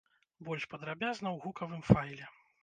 Больш падрабязна ў гукавым файле!